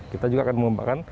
kita juga akan mengembangkan